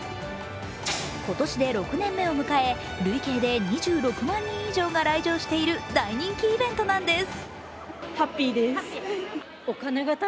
今年で６年目を迎え、累計で２６万人以上が来場している大人気イベントなんです。